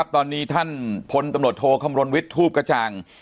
ตอนนี้ท่านพตทควิทธูปกระจ่าง